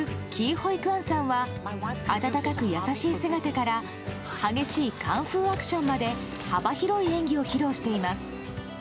・ホイ・クァンさんは温かく優しい姿から激しいカンフーアクションまで幅広い演技を披露しています。